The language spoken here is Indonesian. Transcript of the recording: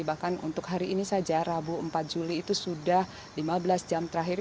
bahkan untuk hari ini saja rabu empat juli itu sudah lima belas jam terakhir